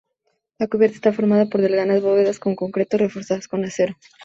La cubierta está formada por delgadas bóvedas en concreto reforzado con acero.